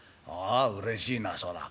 ああうれしいなそら。